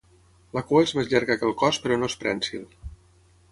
La cua és més llarga que el cos però no és prènsil.